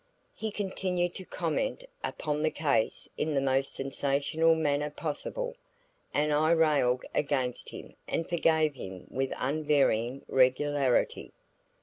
He continued to comment upon the case in the most sensational manner possible, and I railed against him and forgave him with unvarying regularity.